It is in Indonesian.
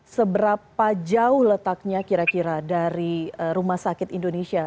seberapa jauh letaknya kira kira dari rumah sakit indonesia